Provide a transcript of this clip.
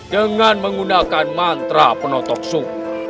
dengan menggunakan mantra penotok suhu